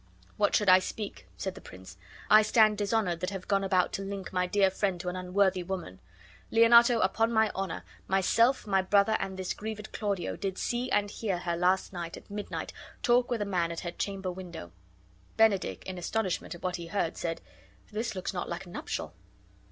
"What should I speak?" said the prince. "I stand dishonored that have gone about to link my dear friend to an unworthy woman. Leonato, upon my honor, myself, my brother, and this grieved Claudio did see and bear her last night at midnight talk with a man at her chamber window." Benedick, in astonishment at what he heard, said, "This looks not like a nuptial."